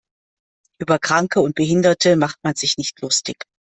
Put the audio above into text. Über Kranke und Behinderte macht man sich nicht lustig.